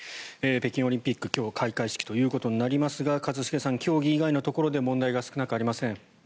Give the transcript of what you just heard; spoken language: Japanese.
北京オリンピック、今日開会式ということになりますが一茂さん、競技以外のところで問題が少なくありません。